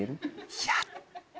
いや。